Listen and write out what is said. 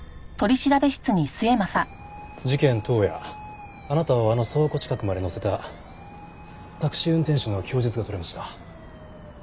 事件当夜あなたをあの倉庫近くまで乗せたタクシー運転手の供述が取れました。